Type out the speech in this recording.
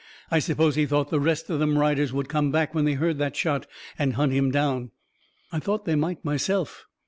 I suppose he thought the rest of them riders would come back, when they heard that shot, and hunt him down. I thought they might myself.